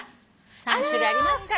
３種類ありますから。